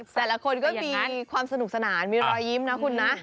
แต่ละคนก็มีความสนุกสนานมีรอยยิ้มนะคุณนะ